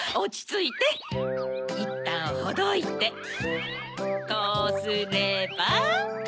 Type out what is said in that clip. いったんほどいてこうすれば。